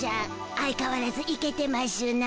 相かわらずイケてましゅな。